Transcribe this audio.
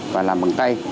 và làm bằng tay